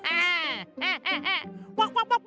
อ่า